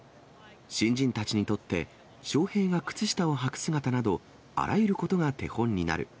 新人たちにとって、翔平が靴下を履く姿など、あらゆることが手本になる。